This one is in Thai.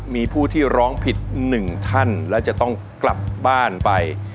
มีผู้ที่ร้องผิด๑ท่านและจะต้องกลับบ้านไป